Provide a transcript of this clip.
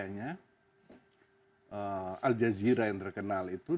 al jazeera yang terkenal itu